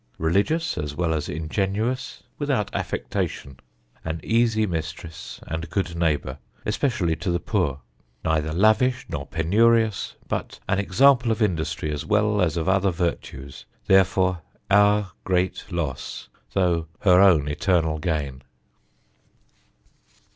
Religious as well as Ingenuous, without Affectation. An easie Mistress, and Good Neighbour, especially to the Poor. Neither lavish nor penurious, but an Example of Industry as well as of other Vertues: Therefore our great Loss tho' her own Eternal Gain."